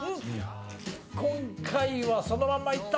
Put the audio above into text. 今回はそのままいった。